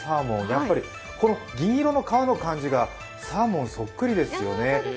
やっぱりこの銀色の皮の感じがサーモンそっくりですよね。